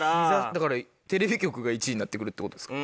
だからテレビ局が１位になってくるってことですか？